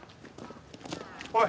おい。